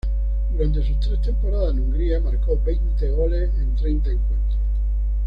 Durante sus tres temporadas en Hungría marcó veinte goles en treinta encuentros.